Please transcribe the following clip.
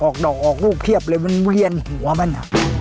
ออกดอกออกลูกเพียบเลยมันเวียนหัวมัน